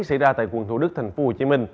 xảy ra tại quận thủ đức tp hcm